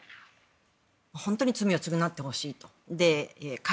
本当に罪を償ってほしいと。